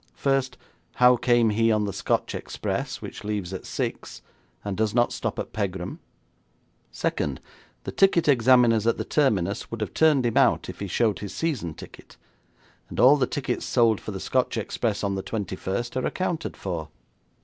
First, how came he on the Scotch Express, which leaves at six, and does not stop at Pegram? Second, the ticket examiners at the terminus would have turned him out if he showed his season ticket; and all the tickets sold for the Scotch Express on the 21st are accounted for.